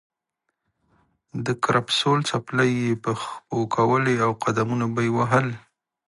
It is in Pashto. د کرپسول څپلۍ یې په پښو کولې او قدمونه به یې وهل.